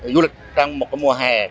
du lịch trong một mùa hè